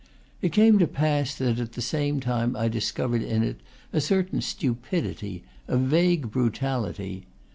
It came to pass that at the same time I discovered in it a certain stupidity, a vague brutality.